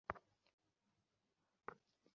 ভাবি, সে ভাগ্যবান ব্যক্তি।